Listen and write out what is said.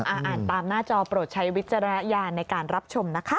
อ่านตามหน้าจอโปรดใช้วิจารณญาณในการรับชมนะคะ